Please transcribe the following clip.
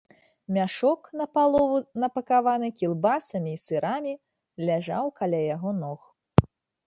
Мяшок, напалову напакаваны кілбасамі і сырамі, ляжаў каля яго ног.